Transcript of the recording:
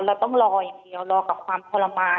เราต้องรออย่างเดียวรอกับความทรมาน